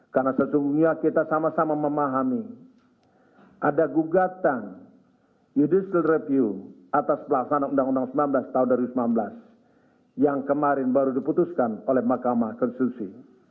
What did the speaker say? karena sesungguhnya kita sama sama memahami ada gugatan judicial review atas pelaksana undang undang sembilan belas tahun dua ribu sembilan belas yang kemarin baru diputuskan oleh mahkamah konstitusi